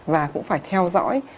và cũng phải theo dõi